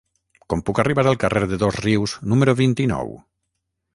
Com puc arribar al carrer de Dosrius número vint-i-nou?